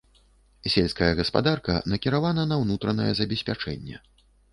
Сельская гаспадарка накіравана на ўнутранае забеспячэнне.